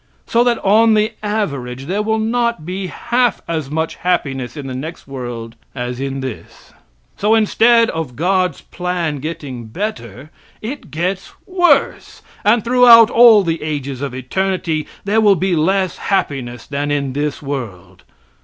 So that on the average there will not be half as much happiness in the next world as in this. So, instead of God's plan getting better, it gets worse; and throughout all the ages of eternity there will be less happiness than in this world.